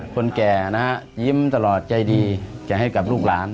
คนแก่นะฮะยิ้มตลอดใจดีจะให้กับลูกหลาน